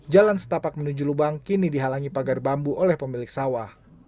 jalan setapak menuju lubang kini dihalangi pagar bambu oleh pemilik sawah